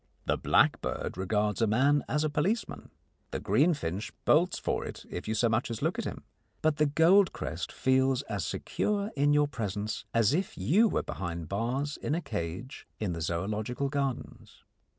The blackbird regards a man as a policeman; the greenfinch bolts for it if you so much as look at him, but the goldcrest feels as secure in your presence as if you were behind bars in a cage in the Zoological Gardens.